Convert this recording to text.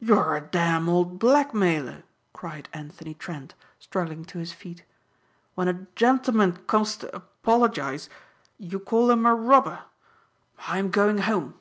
"You're a damned old blackmailer!" cried Anthony Trent, struggling to his feet. "When a gentleman comes to apologize you call him a robber. I'm going home."